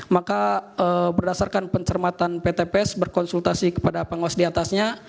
maka berdasarkan pencermatan ptps berkonsultasi kepada penguas diatasnya